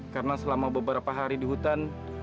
karena selama beberapa hari di hutan